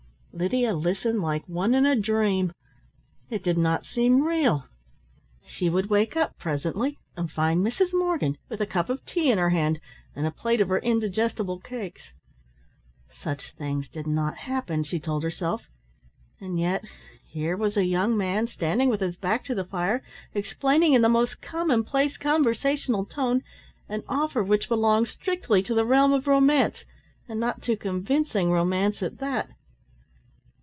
Lydia listened like one in a dream. It did not seem real. She would wake up presently and find Mrs. Morgan with a cup of tea in her hand and a plate of her indigestible cakes. Such things did not happen, she told herself, and yet here was a young man, standing with his back to the fire, explaining in the most commonplace conversational tone, an offer which belonged strictly to the realm of romance, and not too convincing romance at that.